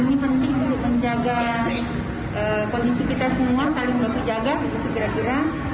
ini penting untuk menjaga kondisi kita semua saling berkejaga berkejagaan